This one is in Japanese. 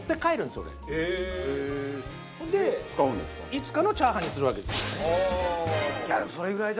いつかのチャーハンにするわけです。